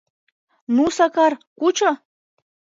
— Ну, Сакар, кучо!